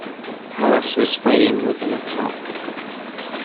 Paris was fighting within itself.